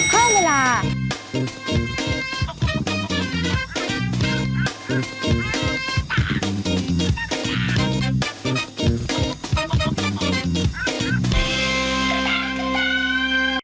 เพิ่มเวลา